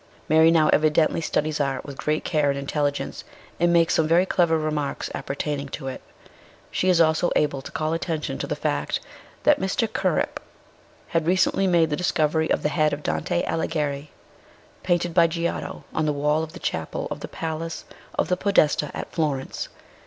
Mary now evidently studies art with great care and intelligence, and makes some very clever remarks appertaining to it. She is also able to call attention to the fact that Mr. Kirkup had recently made the discovery of the head of Dante Alighieri, painted by Giotto, on the wall of the Chapel of the Palace of the Podesta at Florence.